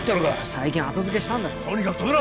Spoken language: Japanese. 最近後付けしたんだろとにかく止めろ！